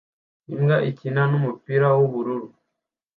imbwa ikina n'umupira w'ubururu